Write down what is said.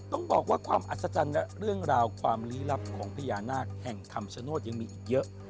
ต้องบอกว่าความอัศจรรย์และเรื่องราวความลี้ลับของพญานาคแห่งคำชโนธยังมีอีกเยอะ